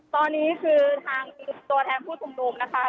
ตอนนี้ทางตรงแทนสุดทุกคุมนมนะคะ